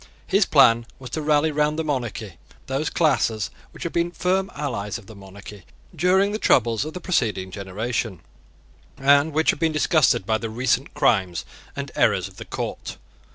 His plan was to rally round the monarchy those classes which had been the firm allies of the monarchy during the troubles of the preceding generation, and which had been disgusted by the recent crimes and errors of the court.